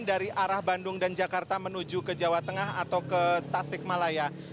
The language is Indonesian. dari arah bandung dan jakarta menuju ke jawa tengah atau ke tasik malaya